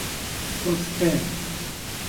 توستر